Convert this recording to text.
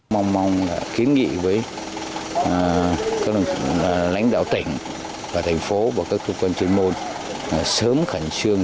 mong mong kiến nghị với các lãnh đạo tỉnh và thành phố và các cơ quan chuyên môn sớm khẩn trương